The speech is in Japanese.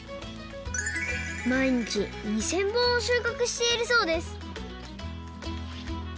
まいにち２，０００ぼんをしゅうかくしているそうです